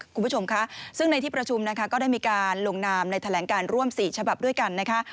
คุณผู้ชมค่ะซึ่งในที่ประชุมนะคะก็ได้มีการลงนามในแถลงการร่วม๔ฉบับด้วยกันนะคะ